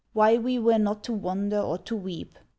Why we were not to wonder or to weep.